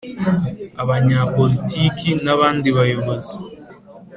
abanyapolitiki n abandi bayobozi